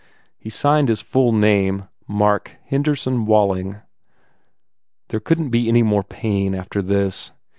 He signed his full name, Mark Henderson Walling. There couldn t be any more pain, after this.